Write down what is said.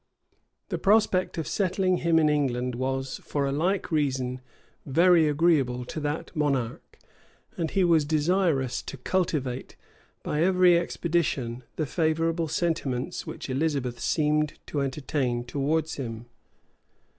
The prospect of settling him in England was for a like reason very agreeable to that monarch; and he was desirous to cultivate, by every expedient, the favorable sentiments which Elizabeth seemed to entertain towards him.